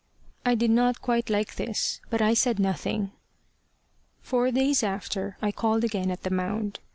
I did not quite like this, but I said nothing. Four days after, I called again at the Mound.